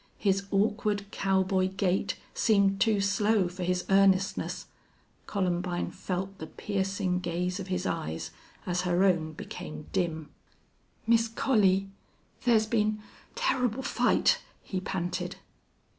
His awkward, cowboy gait seemed too slow for his earnestness. Columbine felt the piercing gaze of his eyes as her own became dim. "Miss Collie, thar's been turrible fight!" he panted.